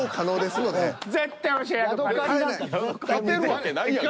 勝てるわけないやんか。